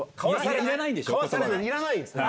いらないんでしょ？